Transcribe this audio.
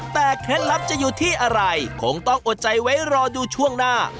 แต่เคล็ดลับจะอยู่ที่อะไรคงต้องอดใจไว้รอดูช่วงหน้า